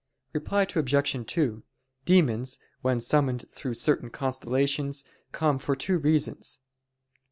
Reply Obj. 2: Demons when summoned through certain constellations, come for two reasons.